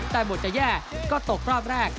แต่บทจะแย่ก็ตกรอบแรก